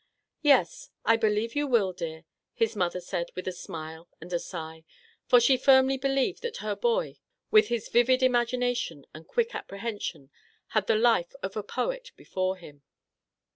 "Yes, I believe you will, dear," his mother said, with a smile and a sigh, for she firmly believed that her boy, with his vivid imagina tion and quick apprehension, had the life of a poet before him.